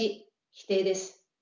否定です。